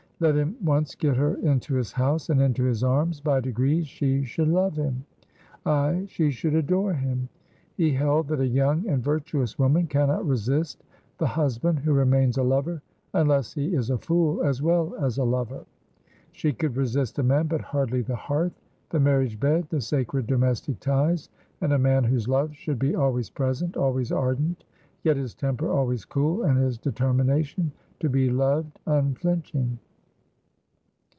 Let him once get her into his house and into his arms, by degrees she should love him; ay, she should adore him! He held that a young and virtuous woman cannot resist the husband who remains a lover, unless he is a fool as well as a lover. She could resist a man, but hardly the hearth, the marriage bed, the sacred domestic ties, and a man whose love should be always present, always ardent, yet his temper always cool, and his determination to be loved unflinching.